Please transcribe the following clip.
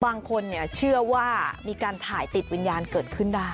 บางคนเชื่อว่ามีการถ่ายติดวิญญาณเกิดขึ้นได้